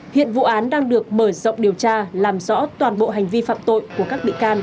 hiện vụ án đang được mở rộng điều tra làm rõ toàn bộ hành vi phạm tội của các bị can